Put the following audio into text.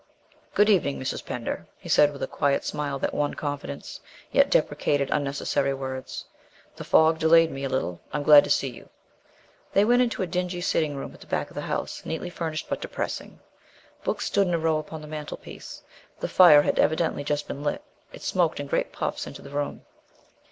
"Good evening, Mrs. Pender," he said, with a quiet smile that won confidence, yet deprecated unnecessary words, "the fog delayed me a little. I am glad to see you." They went into a dingy sitting room at the back of the house, neatly furnished but depressing. Books stood in a row upon the mantelpiece. The fire had evidently just been lit. It smoked in great puffs into the room.